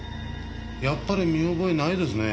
やっぱり見覚えないですね。